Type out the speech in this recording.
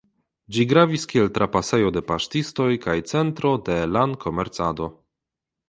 Ĝi gravis kiel trapasejo de paŝtistoj kaj centro de lankomercado.